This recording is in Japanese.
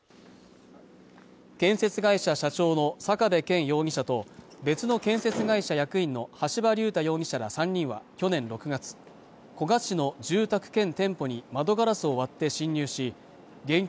建設会社社長の坂部謙容疑者と別の建設会社役員の橋場龍太容疑者ら３人は去年６月古河市の住宅兼店舗に窓ガラスを割って侵入し現金